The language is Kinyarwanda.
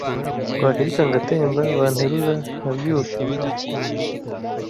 Wahilika ngatemba Wanterura nkabyuka